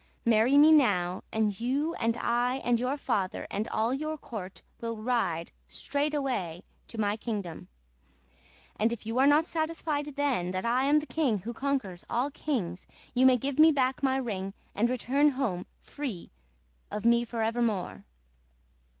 Marry me now, and you and I and your father and all your court will ride straightway to my kingdom; and if you are not satisfied then that I am the king who conquers all kings you may give me back my ring and return home free of me forever more.